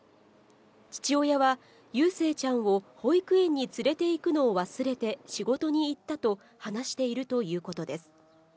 父親は、祐誠ちゃんを保育園に連れて行くのを忘れて、仕事に行ったと話しているということです。